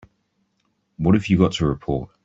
What have you got to report?